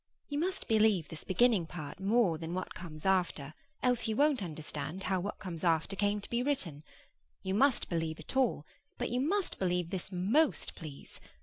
You must believe this beginning part more than what comes after, else you won't understand how what comes after came to be written. You must believe it all; but you must believe this most, please.